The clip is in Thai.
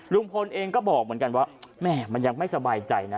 ลุงพลเองก็บอกเหมือนกันว่าแม่มันยังไม่สบายใจนะ